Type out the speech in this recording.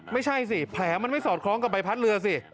ไม่ใช่สิแผลมันไม่สอดคล้องกับใบพัดเรือสิ